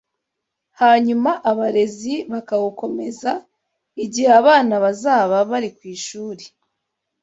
hanyuma abarezi bakawukomeza igihe abana bazaba bari ku ishuri